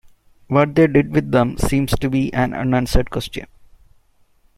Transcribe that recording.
What they did with them seems to be an unanswered question.